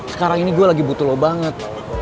sekarang ini gue lagi butuh lo banget